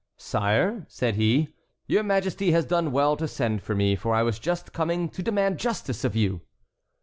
"Sire," said he, "your Majesty has done well to send for me, for I was just coming to demand justice of you."